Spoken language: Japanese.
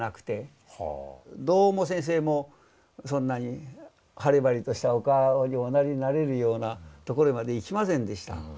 どうも先生もそんなに晴れ晴れとしたお顔におなりになれるようなところまでいきませんでした。